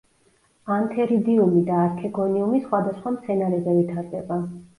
ანთერიდიუმი და არქეგონიუმი სხვადასხვა მცენარეზე ვითარდება.